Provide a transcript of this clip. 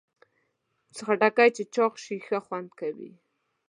خټکی چې چاق شي، ښه خوند لري.